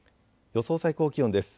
予想最高気温です。